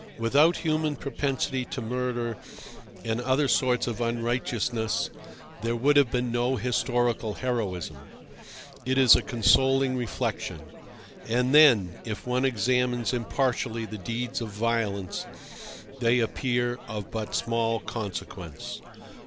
Without human propensity to murder and other sorts of unrighteousness there would have been no historical heroism. It is a consoling reflection. And then, if one examines impartially the deeds of violence, they appear of but small consequence.